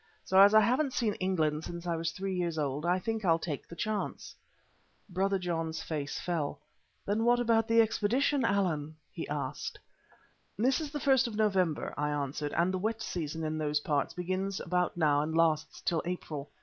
So, as I haven't seen England since I was three years old, I think I'll take the chance." Brother John's face fell. "Then how about the expedition, Allan?" he asked. "This is the first of November," I answered, "and the wet season in those parts begins about now and lasts till April.